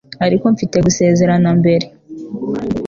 ariko mfite gusezerana mbere.